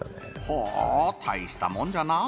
ほ大したもんじゃな。